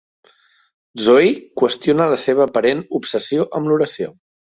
Zooey qüestiona la seva aparent obsessió amb l'oració.